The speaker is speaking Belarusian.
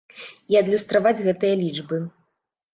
І адлюстраваць гэтыя лічбы.